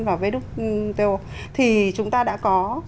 vào video thì chúng ta đã có